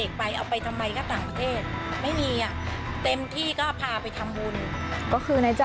๗๐๐๐๐๐บาทไม่ได้เอาไปค่ะ